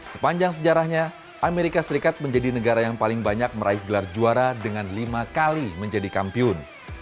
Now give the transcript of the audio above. sepanjang sejarahnya amerika serikat menjadi negara yang paling banyak meraih gelar juara dengan lima kali menjadi kampiun